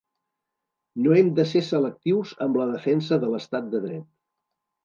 No hem de ser selectius amb la defensa de l’estat de dret.